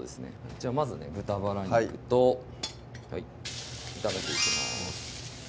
じゃあまずね豚バラ肉と炒めていきます